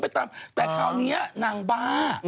ตามแต่คราวนี้นางบ้า